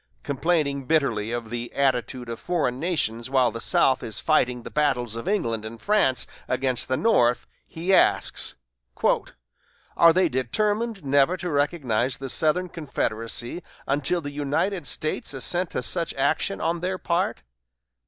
Complaining bitterly of the attitude of foreign nations while the South is fighting the battles of England and France against the North, he asks: "Are they determined never to recognize the Southern Confederacy until the United States assent to such action on their part?"